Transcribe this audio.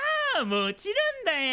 もちろんだよ。